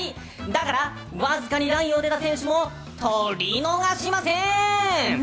だからわずかにラインを出た選手もトリ逃しません！